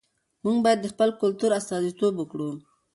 موږ بايد د خپل کلتور استازیتوب وکړو.